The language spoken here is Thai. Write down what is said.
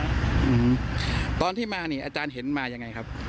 อืมตอนที่มานี่อาจารย์เห็นมายังไงครับ